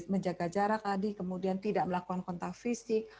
menjaga jarak tadi kemudian tidak melakukan kontak fisik